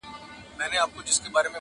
هغه د شنې ویالې پر څنډه شنه ولاړه ونه-